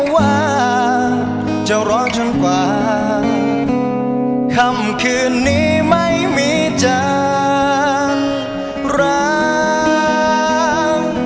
ว่าจะรอจนกว่าค่ำคืนนี้ไม่มีจานรัก